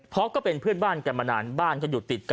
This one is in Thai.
เพราะก็เป็นเพื่อนบ้านกันมานานบ้านก็อยู่ติดกัน